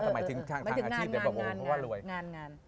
หมายถึงทางอาชีพแต่ว่าโอ้โฮเพราะว่ารวยหมายถึงงาน